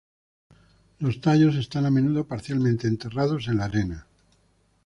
Los tallos están a menudo parcialmente enterrados en la arena.